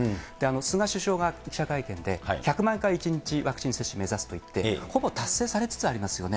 菅首相が記者会見で、１００万回１日、ワクチン接種目指すと言って、ほぼ達成されつつありますよね。